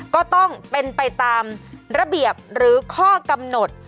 ก็ต้องเป็นไปตามระเบียบหรือข้อกำหนด